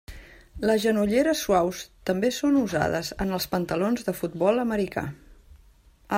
Les genolleres suaus també són usades en els pantalons de futbol americà.